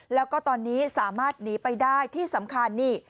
แล้วก็ตอนนี้สามารถหนีไปได้ที่สำคัญนี่